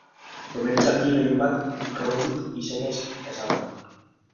Komertzialki gehien bat Roundup izenez ezaguna.